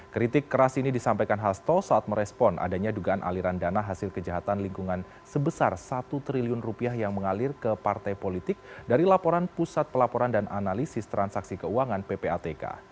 kritik keras ini disampaikan hasto saat merespon adanya dugaan aliran dana hasil kejahatan lingkungan sebesar satu triliun rupiah yang mengalir ke partai politik dari laporan pusat pelaporan dan analisis transaksi keuangan ppatk